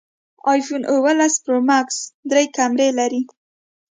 ایفون اوولس پرو ماکس درې کمرې لري